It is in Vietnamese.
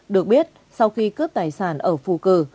được biết sau khi cướp tài sản ở phù cử